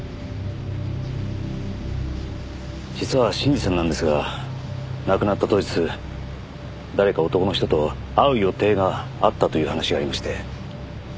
実は信二さんなんですが亡くなった当日誰か男の人と会う予定があったという話がありまして。